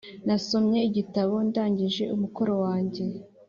nasomye igitabo ndangije umukoro wanjye.